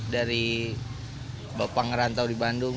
dari bapak ngerantau di bandung